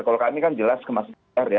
kalau kami kan jelas ke mas ganjar ya